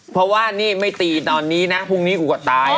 เพราะงงไม่ตีตอนนี้พรุ่งนี้กูเข้าตาย